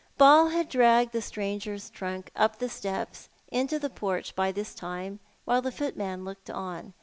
Ball had dragged the stranger's trunk up the steps into the porch by this time, while the footman looked on.